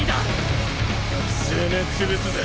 攻め潰すぜ！